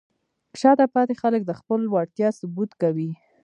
شاته پاتې خلک د خپلې وړتیا ثبوت کوي.